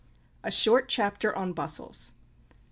A SHORT CHAPTER ON BUSTLES.